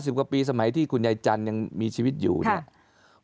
สิบกว่าปีสมัยที่คุณยายจันทร์ยังมีชีวิตอยู่เนี่ย